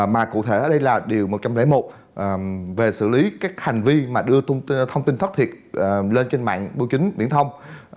mà cụ thể ở đây là điều một trăm linh một về xử lý các hành vi đưa thông tin thất thiệt lên trên mạng bưu chính điện thông